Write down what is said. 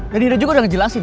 dan dede juga udah ngejelasin